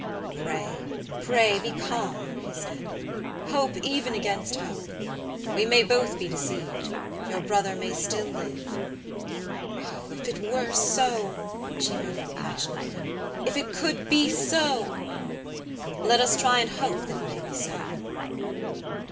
"Pray, pray be calm," he said: "hope even against hope. We may both be deceived; your brother may still live." "Oh! if it were so," she murmured, passionately; "if it could be so." "Let us try and hope that it may be so."